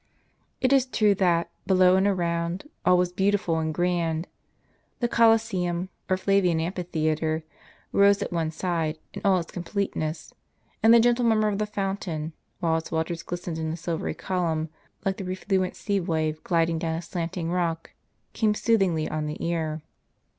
It is true that, below and around, all was beautiful and grand. The Coliseum, or Flavian amphitheatre, rose at one side, in all its completeness ; and the gentle murmur of the fountain, while its waters glistened in a silvery column, like the refluent sea wave gliding down a slanting rock, came soothingly on the ear.